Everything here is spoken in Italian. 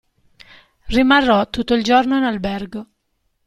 Rimarrò tutto il giorno in albergo.